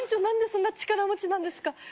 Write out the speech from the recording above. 何でそんな力持ちなんですか？